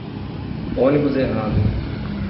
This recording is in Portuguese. Ônibus errado